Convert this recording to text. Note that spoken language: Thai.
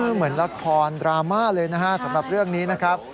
เหมือนละครดราม่าเลยนะฮะสำหรับเรื่องนี้นะครับ